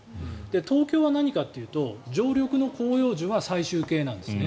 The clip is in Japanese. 東京は何かというと常緑の広葉樹が最終形なんです。